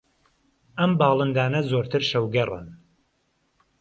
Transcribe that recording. ئەم باڵندانە زۆرتر شەوگەڕن